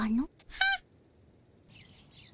はっ？